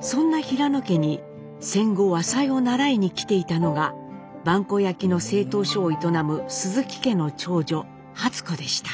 そんな平野家に戦後和裁を習いに来ていたのが萬古焼の製陶所を営む鈴木家の長女初子でした。